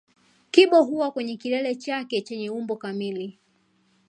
Kibo huwa kwenye kilele chake chenye umbo kamili